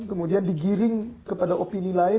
kemudian digiring kepada opini lain